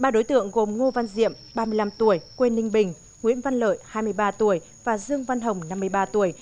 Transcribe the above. ba đối tượng gồm ngô văn diệm ba mươi năm tuổi quê ninh bình nguyễn văn lợi hai mươi ba tuổi và dương văn hồng năm mươi ba tuổi